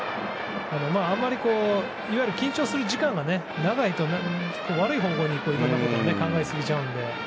緊張する時間が長いと悪い方向にいろんなことを考えすぎちゃうので。